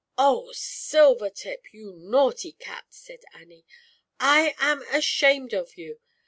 Oh, Silvertip! You naughty Cat!" said Annie. "I am ashamed of you!